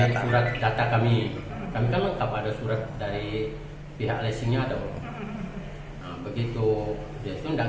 seperti diketahui suhadi sudah membuat laporan ke markas polrestabes palembang